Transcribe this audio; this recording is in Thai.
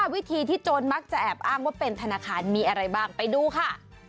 วิธีที่โจรมักจะแอบอ้างว่าเป็นธนาคารมีอะไรบ้างไปดูค่ะ